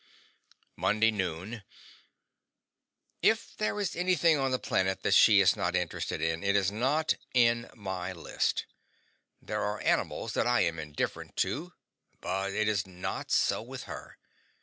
MONDAY NOON. If there is anything on the planet that she is not interested in it is not in my list. There are animals that I am indifferent to, but it is not so with her.